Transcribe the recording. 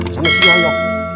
sama si yoyo